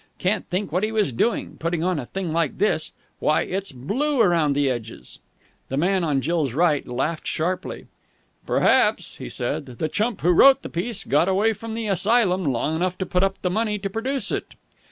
Can't think what he was doing, putting on a thing like this. Why, it's blue round the edges!" The man on Jill's right laughed sharply. "Perhaps," he said, "the chump who wrote the piece got away from the asylum long enough to put up the money to produce it."